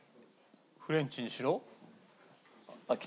フレンチにしろ。